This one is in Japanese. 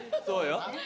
そうよ。